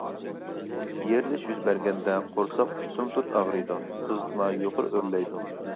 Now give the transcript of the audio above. يېرىلىش يۈز بەرگەندە قورساق ئۇشتۇمتۇت ئاغرىيدۇ، قىزىتما يۇقىرى ئۆرلەيدۇ.